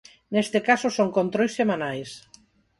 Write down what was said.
Neste caso son controis semanais.